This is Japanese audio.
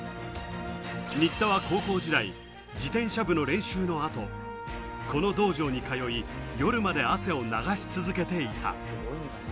新田は高校時代、自転車部の練習の後この道場に通い、夜まで汗を流し続けていた。